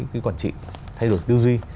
cái quản trị thay đổi tư duy